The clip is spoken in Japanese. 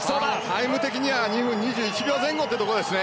タイム的には２分２１秒前後というところですね。